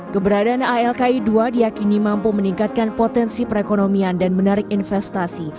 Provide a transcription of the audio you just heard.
keberadaan alki dua diakini mampu meningkatkan potensi perekonomian dan menarik investasi